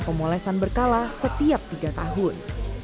pemolesan berkala setiap tiga tahun